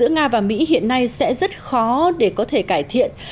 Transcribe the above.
nghĩa là mỹ hiện nay sẽ rất khó để có thể cải thiện